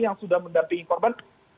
yang sudah mendapati korban